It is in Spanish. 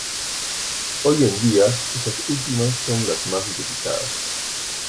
Hoy en día estas últimas son las más utilizadas.